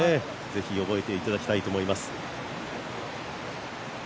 ぜひ、覚えていただきたいと思います。